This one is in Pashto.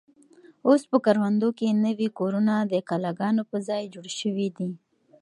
اوس په کروندو کې نوي کورونه د کلاګانو په ځای جوړ شوي دي.